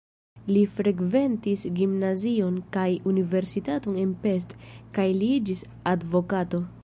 Li frekventis gimnazion kaj universitaton en Pest kaj li iĝis advokato.